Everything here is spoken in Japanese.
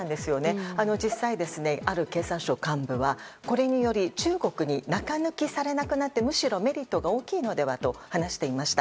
実際、ある経産省幹部はこれにより中国に中抜きされなくなってむしろメリットが大きいのではと話していました。